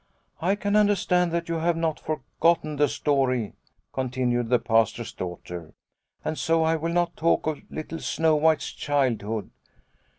" I can understand that you have not for gotten the story," continued the Pastor's daughter, " and so I will not talk of little Snow White's childhood.